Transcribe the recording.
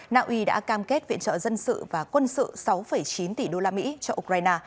naui đã cam kết viện trợ dân sự và quân sự sáu chín tỷ đô la mỹ cho ukraine